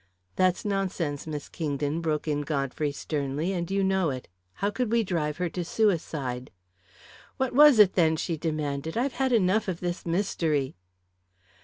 "That's nonsense, Miss Kingdon," broke in Godfrey sternly, "and you know it! How could we drive her to suicide?" "What was it, then?" she demanded. "I've had enough of this mystery."